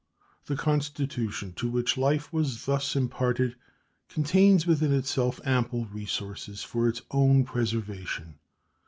The Constitution to which life was thus imparted contains within itself ample resources for its own preservation.